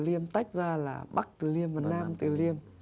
từ liêm tách ra là bắc từ liêm và nam từ liêm